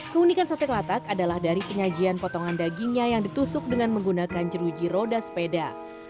keunikan sate kelatak adalah dari penyajian potongan dagingnya yang ditusuk dengan menggunakan jeruji roda sepeda